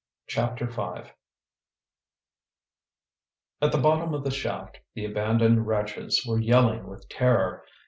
CHAPTER V At the bottom of the shaft the abandoned wretches were yelling with terror.